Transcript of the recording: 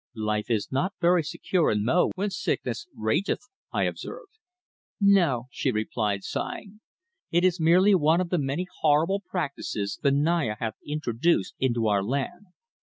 "Life is not very secure in Mo when sickness rageth," I observed. "No," she replied, sighing. "It is merely one of the many horrible practices the Naya hath introduced into our land.